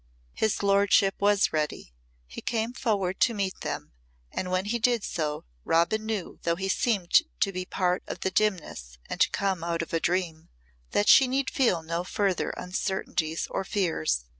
His lordship was ready. He came forward to meet them and when he did so, Robin knew though he seemed to be part of the dimness and to come out of a dream that she need feel no further uncertainties or fears.